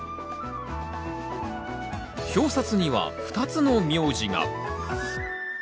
表札には２つの名字が。